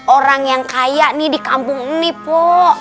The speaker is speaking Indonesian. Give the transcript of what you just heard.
orang yang kaya nih di kampung ini pu